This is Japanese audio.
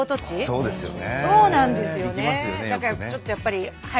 そうですよね。